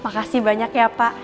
makasih banyak ya pak